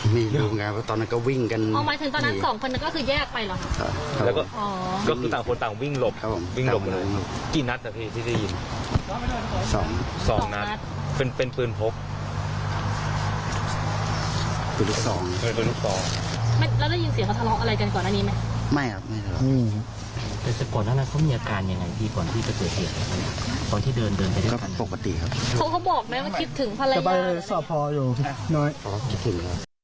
ไม่ได้ยินเสียงทะเลาะอะไรกันก่อนหน้านี้ไหม